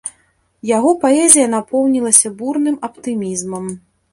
Яго паэзія напоўнілася бурным аптымізмам.